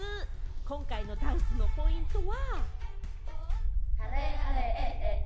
今回のダンスのポイントは。